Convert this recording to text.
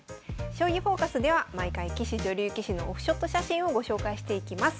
「将棋フォーカス」では毎回棋士・女流棋士のオフショット写真をご紹介していきます。